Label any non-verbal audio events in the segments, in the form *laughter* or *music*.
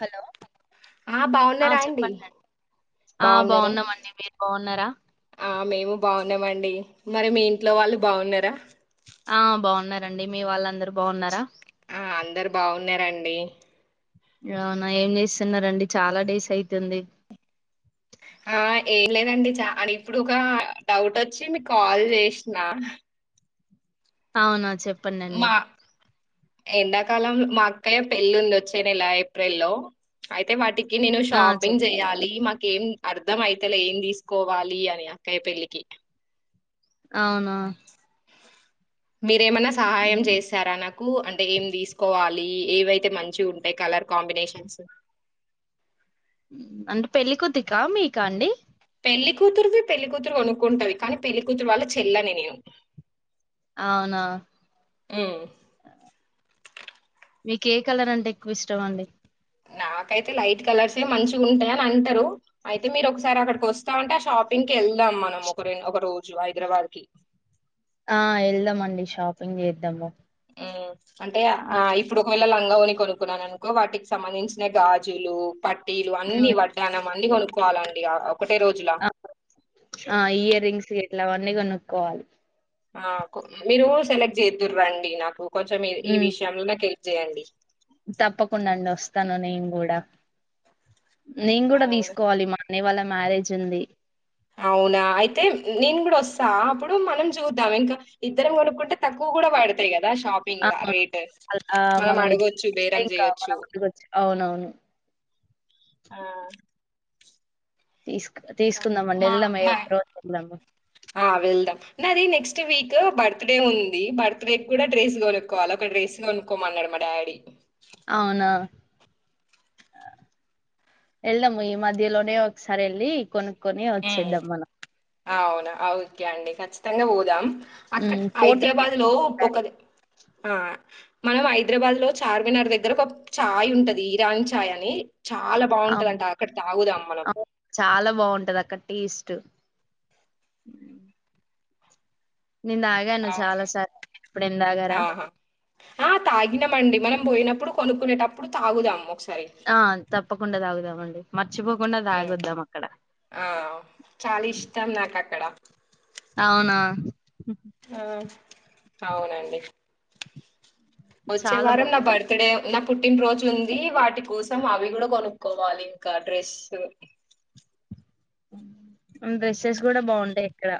Hello ఆ ఆ బాగున్నారా అండి చెప్పండిండి ఆ బాగున్నారా బాగున్నామండి మీరు బాగున్నారా ఆ మేము బాగున్నామండి మరి మీ ఇంట్లో వాళ్ళు బాగున్నారా ఆ బాగున్నారంండి మీ వాళ్ళందరు బాగున్నారా ఆ అందరు బాగున్నారండి అవునా ఏం చేస్తున్నారంండి చాలా డేస్ అవుతుంది ఆ ఏం లేదండి చ అ ఇప్పుడు ఒక డౌట్ వచ్చి మీకు కాల్ చేసిన అవునా చెప్ప పన్నెండడి మా ఎండాకాలం మా అక్కయ్య పెళ్లి ఉంది వచ్చే నెల ఏప్రిల్ లో అయితే వాటికి నేను ఆ! షాపింగ్ చెప్ చేయాలి మా ఏం అర్ధం అయితలే ఏం తీసుకోవాలి అని అక్కయ్య పెళ్లికి అవునా మీరేమైనా సహాయం హ్మ్. చేస్తారా నాకు అంటే ఏం తీసుకోవాలి ఏవైతే మంచి ఉంటాయి కలర్ కాంబినేషన్స్ అంటే పెళ్లి కూతురిక మీకా అండి పెళ్లి కూతురువి పెళ్లికూతురు అనుకుంటావి కానీ పెళ్లికూతురీ వాళ్ళ చెల్లని నేను అవునా ఉమ్. మీకు ఏ కలర్ అంటే ఎక్కువ ఇష్టం అండి నాకైతే లైట్ కలర్స్ ఏ మంచిగా ఉంటాయి అని అంటారు అయితే మీరు ఒకసారి అక్కడికి వస్తా అంటే ఆ షాపింగ్కి వెళ్ ఇలా అమ్మానమ్మ ఒక ఒక హైదరాబాద్కి ఆ వెళ్దామండి షాపింగ్ చేద్దాము మ్మ్ అంటే ఆ హ్మ్. ఇప్పుడు ఒక మిల్ లంగ ని కొనుక్కున్నాను అనుకో వాటికి సంబంధించిన గాజులు పట్టీలు అన్ని వడ్డానం అన్ని కొనుకో కావాలండి ఆ ఒకటే రోజులా ఆ ఇయర్ రింగ్స్ ఇలావన్నీ కోనుక్కోవాలి ఆ మీరు సెలెక్ట్ చేద్దురండి నాకు కొంచెం ఈ హ్మ్. విషయంలో చేయండి తప్పకుండా అండి వస్తాను నేను కూడా నేను కూడా అవును తీసుకోవాలి మా కాని వాళ్ళ మ్యారేజ్ ఉంది అవునా అయితే నేను కూడా వస్తా అప్పుడు మనం చూద్దాం ఇంకా ఇద్దరం కొనుక్కుంటే తక్కువ కూడా పడతాయి కదా రా షాపింగా అవును. రేట్ అలా మనం ఇద్దరం అడగొచ్చు చేస్తే బేరం ఇంకా మనం చేయచ్చు ముందుకొచ్చు. అవునవును. ఆ తీసుకు ఇంకా తీసుకుందామ అండి మా వెళ్దామ ఈ మా ఒక్క రోజు వెళ్దాము ఆ వెళ్దాం నాది నెక్స్ట్ వీక్ బర్త్ డే ఉంది బర్త్ డే కూడా డ్రెస్ కొనుక్కోవాలి ఒక డ్రెస్ కొనుక్కోమన్నాడు మా డాడీ వెళ్దాం ఈ మధ్యలోనే ఒకసారి వెళ్ళి కొను కొని ఉమ్ వచ్చేద్దాం మనం అవునా ఓకే అండి ఖచ్చితంగా పోదాం అక్కడ హ్మ్. కోటికి హైదరాబాద్ లో ఎళ్దాం ఈసారి. ఒకరిది ఆ మనం హైదరాబాద్ లో చార్మినార్ దగ్గరకు ఒక చాయ్ ఉంటది ఇరాన్ ఛాయ్ అని చాలా అవును. బావుంటదంట అక్కడ తాగుదాం మనం ఈస్ట్ మ్మ్ నేన్ దాగాను చాలా అవును సార్ ఇప్పుడేం తాగారా ఆహా ఆ తాగిన్నాంమండి మనం బోయినప్పుడు కొనుక్కునేటప్పుడు తాగుదాం ఒకసార్ ఆ తప్పకుండా తాగుదామండి మర్చిపోకుండా ఉమ్ తాగోద్దాం అక్కడ ఆ చాలా ఇష్టం నాకు అక్కడ అవునా ఆ అవునండి వచ్చే చాలా వారం నా బావుంటది. బర్త్డే నాక్ పుట్టినరోజు ఉంది వాటి కోసం అవి కూడా కొనుక్కోవాలి ఇంకా డ్రెస్సు మ్మ్ డ్రెస్సెస్ కూడా బాగుంటాయి ఇక్కడ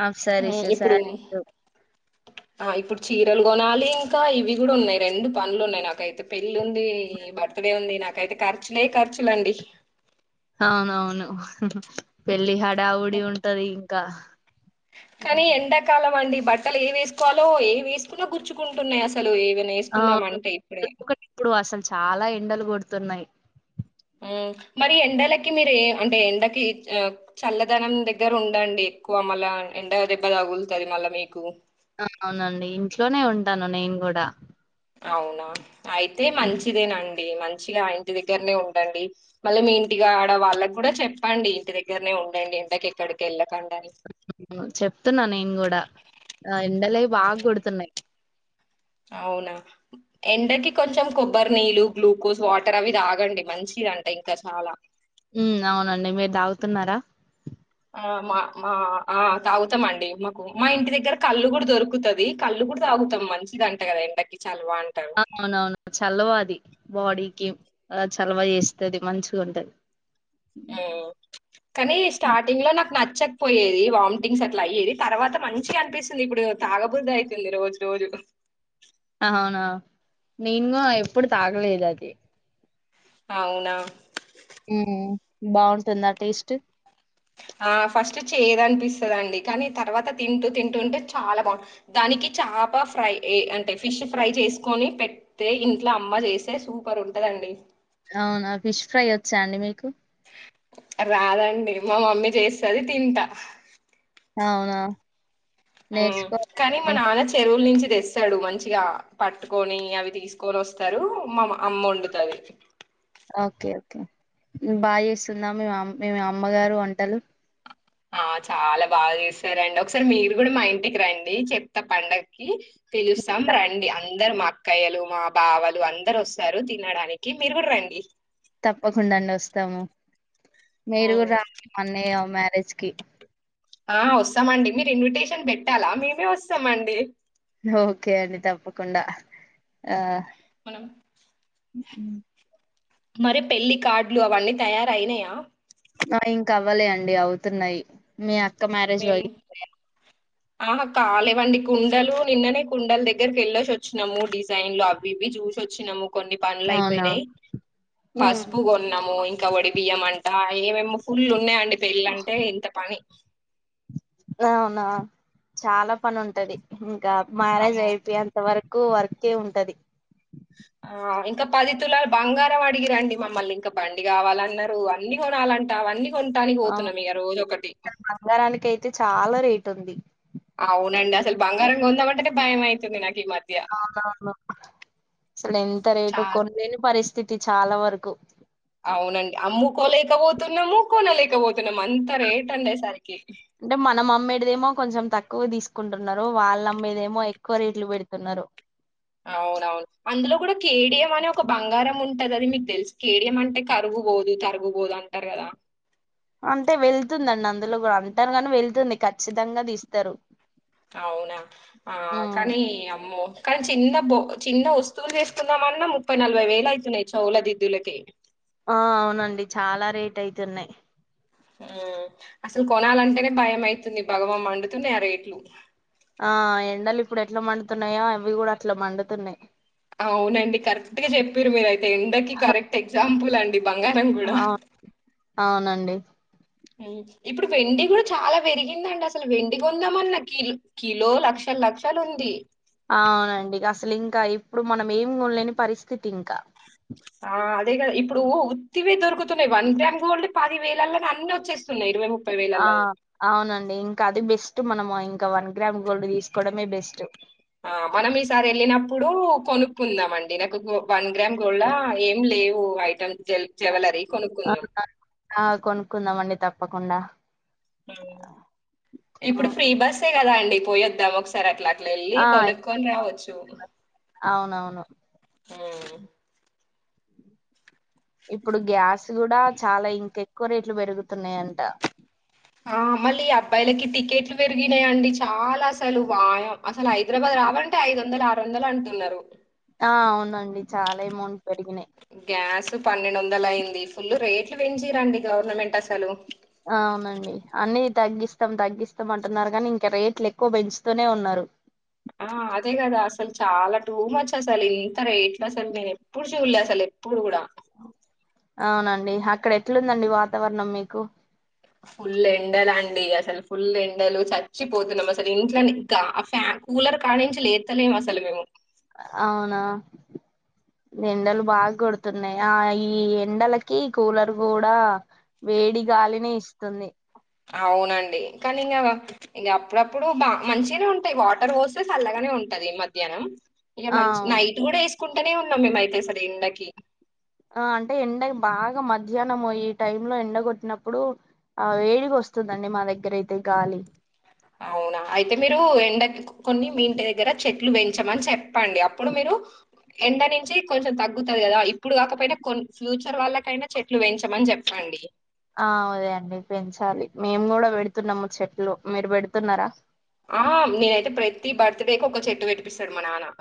ఆ శారీసు ఇప్పుడు శారీసు ఆ ఇప్పుడు చీరలు కొనాలి ఇంకా ఇవి కూడా ఉన్నాయి రెండు పనులు ఉన్నాయి నాకైతే పెళ్లి ఉంది బర్త్డే ఉంది నాకైతే ఖర్చులే ఖర్చులండి అవునవును పెళ్ళి హడ్ హడావిడి ఉంటది క్క కానీ ఎండకాలం ఇవ్వండి బట్టలు ఏ వేసుకోవాలో ఏ వేసుకున్నా గుర్చుకుంటున్నాయి అసలు ఏవైనా ఆ వేసుకుందాం అంటే ఇప్పుడే ఇప్పుడు అసలు చాలా ఎండలు కొడుతున్నాయి మ్మ్ మరి ఎండలకి మీరు ఏ అంటే ఎండకి ఇచ్ ఆ చల్లదనం దగ్గర ఉండండి ఎక్కువ మళ్ళా ఎండ దెబ్బ తాగుల్తాది మళ్ళా మీకు అవునండి ఇంట్లోనే ఉంటాను నేను కూడా అవునా అయితే మంచిదేనం డి మంచిగా ఇంటి దగ్గరనే ఉండండి మళ్ళీ మీ ఇంటిగాడా వాళ్ళకి కూడా చెప్పండి ఇంటి దగ్గరనే ఉండండి ఎండ ఎక్కడికి వెళ్ళ చెప్తున్నా నేను కూడా ఆ ఎండలే బా ఉమ్, కొడుతున్నాయి అవునా ఎండకి కొంచెం కొబ్బరి నీళ్లు గ్లూకోజ్ వాటర్ అవి తాగండి మంచిదంట ఇంకా చాలా మ్మ్ అవునండి మీరు దాగుతున్నారా ఆ మా మా ఆ తాగుతాం అండి మాకు మా ఇంటి దగ్గర కల్లు కూడా దొరుకుతది కల్లు కూడా తాగుతాం మంచిది అంట కదా ఎండకి చలవ అంటారు అవునవును చాల్వాది బాడీకి ఆ చలవ ఇస్తాది మంచిగా ఉంటది హుమ్మ్ ఉమ్. కానీ స్టార్టింగ్ లో నాకు నచ్చకపోయేది వామ్తింగ్స్ అట్లా అయ్యేది తర్వాత మంచిగా అనిపిస్తుంది ఇప్పుడు తాగబుద్ధి ఐయితుంది రోజు రోజు అవునా నేన్గా ఎప్పుడు తాగలేదు అది అవునా హ్మ్ బాగుంటుందా టేస్ట్ ఆ ఫస్ట్ చేద్ అనిపిస్తాదండి కానీ తర్వాత తింటూ తింటూంటే చాలా బా దానికి చేప ఫ్రై ఏ అంటే ఫిష్ ఫ్రై చేసుకొని పేట్తే ఇంట్లో అమ్మ చేస్తే సూపర్ ఉంటదండి అవునా ఫిష్ ఫ్రై వచ్చా అండి మీకు రాదండి మా మమ్మీ చేస్తది తింటా అవునా హ్మ్ కాని మా నేర్చుకోవాలండి నాన్న చెరువుల నుంచి తెస్ తడు మంచిగా పట్టుకొని అవి తీసుకొని వస్తారు మా అమ్మ వొండుతది ఓకే ఓకే బాగా చేస్తుందా మీ మ మీ అమ్మగారు వంటలు ఆ చాలా బాగా చేస్తారండి ఒకసారి మీరు కూడా మా ఇంటికి రండి చెప్తా పండక్కి పిలుస్తాం రండి అందరు మా అక్కయ్యలు మా బావలు అందరు వస్తారు తినడానికి మీరు గూడా రండి తప్పకుండా అండి వస్తాము మీరు హ్మ్. కూడా రా అన్నయ మ్యారేజ్ కే ఆ వస్తామండి మీరు ఇన్విటేషన్ పెట్టాలా మేమే వస్తామండి ఓకే అండి తప్పకుండా ఆ మనం హ్మ్ మరి పెళ్లి కార్డులు అవన్నీ తయారయినయా ఆ ఇంక అవ్వలే అండి అవుతున్నాయి మీ అ క మ్యరజ వ *unintelligible* ఆహా కాలేవండి కుండలు నిన్ననే కుండల దగ్గరకి వెళ్ళొసి వచ్చినాము డిజైన్ లో అవి ఇవి చూసొచ్చినాము కొన్ని పనులు అవునా అయిపోయినయ్ హ్మ్ పసుపు కొన్నాము ఇంకా వడి బియ్యం అంటా ఏమేమి ఫుల్ ఉన్నాయండి పెళ్ళంటే ఇంత పని అవునా చాలా పని ఉంటది ఇంకా మ్యారేజ్ అమ్మో అయిపోయే అంత వర కు వర్కే ఉంటది ఆ ఇంక పది తులాల బంగారం అడిగి రండి మమ్మల్ని ఇంక బండి కావాలన్నరు అన్నీ కొనాలంటా అవన్నీ కొనటానికి అ పోతున్నాం ఇక రోజు ఒకటి బంగారానికి అయితే చాల రేట్ టుంది అవునండి అసలు బంగారం కొందామంటేనే భయం అయితుంది నాకి అవునవును అసలు ఎంత రేటు చాలా కొనలేని పరిస్ స్థితి చాలా వరకు కోలేకపోతున్నమూ కొనలేకపో అంటె మనం అమ్మేడిదేమో కొంచెం తక్కువ తీస్ కుంటున్నారు వాళ్ళమ్మేదేమో ఎక్కువ రేట్లు పెడుతున్నారు అవునవును అందులో కూడ కేడియం అనే ఒక బంగారం ఉంటది అది మీకు తెలుసు కేడియం అంటే కరుగుబోదు తరుగుబోదు అంటారు కదా అంటే వెళ్తుందండి అందులో కూడ అంటారు గానీ వెళ్తుంది ఖచ్చితంగ తీస్తరు అవునా ఆ కానీ అమ్మో కానీ చిన్న బో చిన్న వస్తువులు చేసుకుందామన్న ముప్పై నలభై వేలు అయితున్నయి చొవుల దిద్దులకె ఆ అవునండి చాలా రేట్ అయితున్నయ్ హ్మ్ అసలు కొనాలంటేనె భయం అయితుంది భగ భగ మండుతున్నయి ఆ రేట్లు ఆ ఎండలు ఇప్పుడు ఎట్ల మండుతున్నాయాో అవి కూడ అట్ల మండుతున్నాయి అవునండి కరెక్ట్ గ చెప్పిండ్రు మీరయితే ఎండకి కరెక్ట్ ఎగ్జాంపుల్ లాండి అ అవునండి ఇప్పుడు వెండి కూడా చాలా పెరిగిందండి అసలు వెండి కాన్దామన్నా కిలో కిలో లక్షల లక్షలు ఉంది అవునండి అసలు ఇంకా ఇప్పుడు మనం ఏం కొనలేని పరిస్థితి ఇంకా ఆ అదే ఇప్పుడు ఉత్తివే దొరుకుతున్నాయి వన్ గ్రామ్ పొండి పది వేలలో అన్ని వచ్చేస్తున్నాయిరవై ఆ అవునండి ఇంకా అది బెష్ మనం ఇంకా వన్ గ్రామ్ గోల్డ్ తీసుకోవడమే బెస్ట్ ఆ మనం ఈసారి వెళ్ళినప్పుడు కొనుక్కుందాం అండి నాకు గ వన్ గ్రామ్ గోల్డ్ హా ఏం లేవు అయి ఆ కొనుక్కుందామ అండి తప్ప తప్పకుండ ఇప్పుడు ఆ. ఫ్రీ బస్సే కదా అండి పోయ్ వద్దాం ఒకసారి అట్లా అట్ వెళ్ ఆ కొనుక్కొని రావచ్చు అవునవును హ్మ్. ఇప్పుడు గ్యాస్ కూడా చాలా ఇంకెక్కువ రేట్లు పెరుగుతున్నాయంట ఆ మళ్ళీ ఈ అబ్బాయిలకి టికెట్లు పెరిగినాయిండి చాలా అసలు వాయం అసలు హైదరాబాద్ రాాలంటే ఐదు వందలు వందలు అంటున్నారు ఆ అవునండి చాలా అమౌంట్ పెరిగినాయి గ్యాస్ పన్నెండు వందలు అయింది, ఫుల్ రేట్లు పెంచరండి గవర్నమెంట్ అసలు అవునండి అన్నిది తగ్గిస్తాం తగ్గిస్తాం అంటున్నారు కానీ, ఇంకా రేట్లు ఎక్కువ పెంచుతూనే ఉన్నారు. ఆ అదే కదా అసలు చాలా టూ మచ్ అసలు ఇంత రేట్లు అసలు నేను ఎప్పుడు చూలే అసలు ఎప్పుడు కూడా అవునండి అక్కడ ఎట్లుందండి వాతావరణం మీకు ఫుల్ ఎండలు అండి అసలు ఫుల్ ఎండలు చచ్చిపోతున్నాం అసలు, ఇంట్లో ఫ్యాన్ కూలర్ కాడించి లేతలేం అసలు మేము అవునా ఎండలు బాగా కొడుతున్నాయి, ఆ ఈ ఎండలకి కూలర్ కూడా వేడి గాలిని ఇస్తుంది అవునండి కానీ ఇంకా ఇక అప్పుడప్పుడు బా మంచిగానే ఉంటాయి, వాటర్ వోసెస్ అల్లాగానే ఉంటది మధ్యాహ్నం ఇక ఆ మంచి అవును. నైట్ కూడా చకుంటూనే ఉన్నాం మేము అైతే సరే ఎండకి ఆ అంటే ఎండ బాగా మధ్యాహ్నం ఈ టైమ్ లో ఎండ కొట్టినప్పుడు, ఆ వేడిగా వస్తుందండి మా దగ్గర అయితే గాలి అవునా అయితే మీరు ఎండ కొన్ని మీ ఇంటి దగ్గర చెట్లు పెంచమని చెప్పండి, అప్పుడు మీరు ఎండ నుంచి కొంచెం తగ్గుతుంది కదా, ఇప్పుడు కాకపోయినా కొ ఫ్యూచర్ వాళ్ళకైనా చెట్లు పెంచమని చెప్పండి. ఆ అదే అండి పెంచాలి మేము కూడా పెడుతున్నాము చెట్లు మీరు పెడుతున్నారా ఆ నేనైతే ప్రతి బర్త్ డేకి ఒక చెట్టు పెట్పిస్తాడు మా నాన్న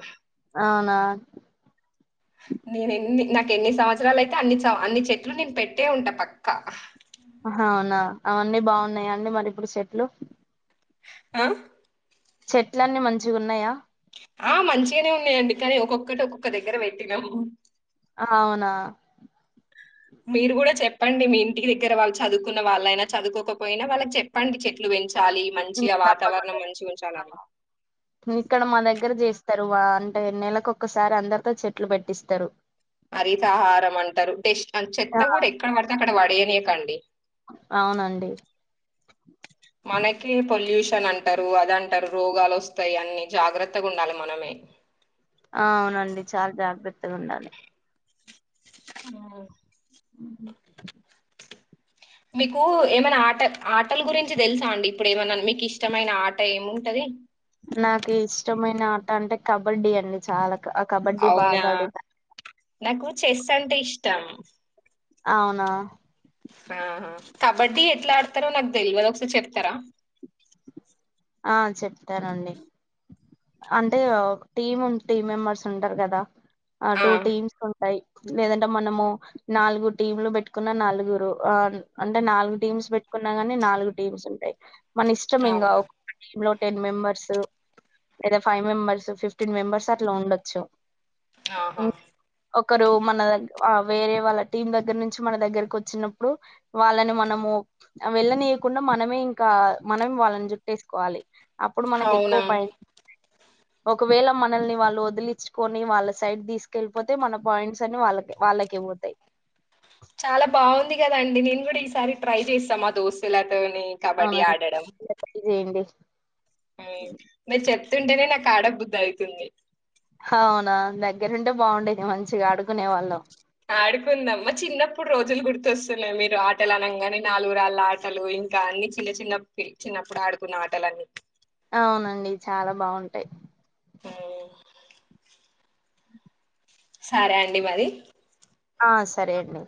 అవునా ఇంకెన్ని సంవత్సరాలు అయితే అన్ని స అన్ని చెట్లు నేను పెట్టే ఉంటా పక్క ఆహా అవునా అవన్నీ బావున్నాయా అండి మరి ఇప్పుడు చెట్లు? అ చెట్లన్నీ మంచిగున్నయా ఆ మంచిగనే ఉన్నయండి కానీ ఒక్కొక్కటి ఒక్కొక్క దగ్గర వెట్టి నం అవునా మీరు కూడా చెప్పండి మీ ఇంటికి దగ్గర వాళ్ళు చదువున్న వాళ్ళైనా చదువుకోకపోయినా వాళ్ళకి చెప్పండి చెట్లు వెంచ్ చాలి ఉమ్, మంచిగ వాతావరణం తప్పకుండా మంచిగుంచాలని స్తరు వా అంటే నెలకొక్కసారి అందరితో చెట్లు బెట్టిస్తరు హరితాహారం అంటరు డెష్ చెత్త ఆ గూడ ఎక్కడ వడితే అక్కడ వడె ఏకండి అవునండి మనకి పొల్యూషన్ అంటరు అదంటరు రోగాలు ఒస్తయి అన్ని జాగ్రత్తగా ఉండాలి మనమే జూన్ లనే ఆ ఆ మీకు ఏమైనా ఆట ఆటల గురించి దెల్సా అండి ఇప్పుడు ఏమన్నా మీకు ఇష్టమైన ఆట ఏముంటది నాకు ఇష్టమైన ఆట అంటే కబడ్డీ అండి చాలా అ కబడ్డీ అవునా బాగాడుత నాకు చెస్ అంటే ఇష్టం అవునా ఆహా కబడ్డీ ఎట్లా ఆడతారో నాకు దెల్వద్ ఒకసారి జెప్తరా ఆ చెప్తానండి అంటే ఒ టీమ్ టీమ్ మెంబర్స్ ఉంటరు గదా ఆ టూ టీమ్స్ తో టయ్ లేదంటే మనము నాలుగు టీమ్లు బెట్టుకున్న నలుగురు ఆ అంటే నాలుగు టీమ్స్ బెట్టుకున్న కగాని నాలుగు టీమ్స్ ఉంటాయి మన ఇష్టం ఇంగ అవునా ఒ లో టెన్ మెంబర్స్ లేదా ఫైవ్ మెంబెర్స్ ఫిఫ్టీన్ మెంబెర్స్ అట్ల ఉండొచ్చు ఆహా ఒకరు మన దగ్ ఆ వేరే వాళ్ళ టీం దగ్గర నుంచి మన దగ్గరకి ఒచ్చినప్పుడు వాళ్ళని మనము వెళ్ళనీయకుండా మనమే ఇంకా మనం వాళ్ళని జుప్ పెట్ కోవాలి అప్పుడు మనకు ఎక్కువ అవునా ప ఒకవేళ మనల్ని వాళ్ళు వదిలిచ్చుకొని వాళ్ళ సైడ్ దీస్కెళ్ళిపోతే మన పాయింట్స్ అన్ని వాళ్ళకె వాళ్ళకె వోతయ్ చాలా బావుంది గదండి నేను గూడా ఈసారి ట్రై జేస్త మా దోస్తుల తోని కబడ్డీ అవునండి ఆడడం ట్రై చేయండి మీర్ చెప్ తుంటెనే నాకు ఆడ బుద్దయితుంది హవునా దగ్గరుంటే బాగుండేది మంచిగా ఆడుకునే వాళ్ళం ఆడుకుందామ్మా చిన్నప్పుడు రోజులు గుర్తోస్తున్నయి మీరు ఆటలు అనంగానే నాలుగురాళ్ళ ఆటలు ఇంకా అన్ని చిన్న చిన్న పియ్ చిన్నప్పుడు ఆడుకున్న ఆటలన్నీ అవునండి చాలా బాగుంటాయి హ్మ్ సరే అండి మరి ఆ సరే అండి